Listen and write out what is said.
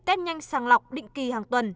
tết nhanh sàng lọc định kỳ hàng tuần